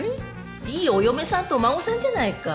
いいお嫁さんとお孫さんじゃないか。